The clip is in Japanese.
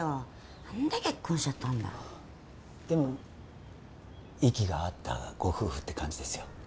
なんで結婚しちゃったんだろうでも息が合ったご夫婦って感じですよ